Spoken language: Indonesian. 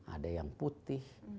ada yang putih